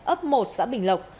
ấp một xã bình lộc